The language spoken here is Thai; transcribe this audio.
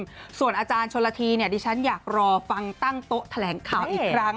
แต่ว่าอาจารย์ชนลทรีที่ฉันอยากรอฟังตั้งโต๊ะแทนข่าวอีกครั้ง